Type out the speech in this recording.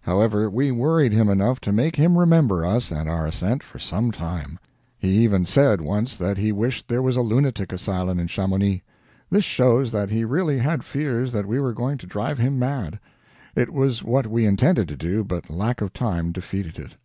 However, we worried him enough to make him remember us and our ascent for some time. He even said, once, that he wished there was a lunatic asylum in Chamonix. This shows that he really had fears that we were going to drive him mad. It was what we intended to do, but lack of time defeated it.